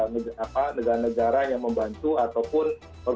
negara negara yang membantu ataupun